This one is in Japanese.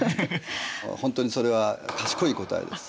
本当にそれは賢い答えです。